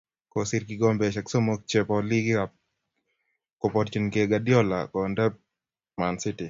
Kosir kikombeshe somok che bo Laague Cup ko borchinekei Guardiola kontea ManCity.